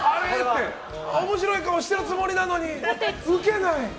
面白い顔したつもりなのにウケない！